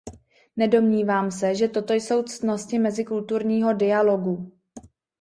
Nedomnívám se, že toto jsou ctnosti mezikulturního dialogu.